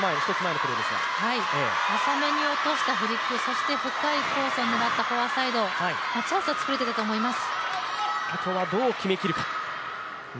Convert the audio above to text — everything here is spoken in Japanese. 浅めに落としたフリック、そして深いコースになったフォアサイド、チャンスは作れていたと思います。